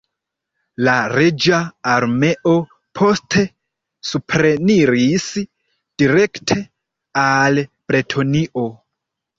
La reĝa armeo, poste supreniris direkte al Bretonio.